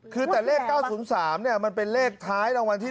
คือแต่เลข๙๐๓มันเป็นเลขท้ายรางวัลที่๑